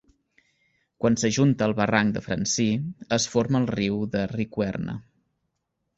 Quan s'ajunta al barranc de Francí, es forma el riu de Riqüerna.